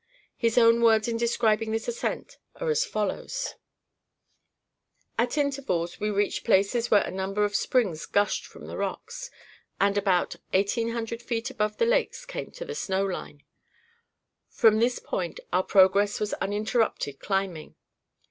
His own words in describing this ascent are as follows: "'At intervals, we reached places where a number of springs gushed from the rocks, and about 1,800 feet above the lakes came to the snow line. From this point our progress was uninterrupted climbing.